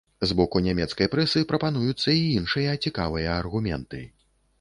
З боку нямецкай прэсы прапануюцца і іншыя цікавыя аргументы.